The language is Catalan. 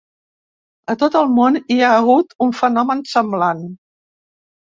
A tot el món hi ha hagut un fenomen semblant.